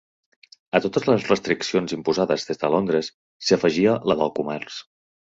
A totes les restriccions imposades des de Londres, s'hi afegia la del comerç.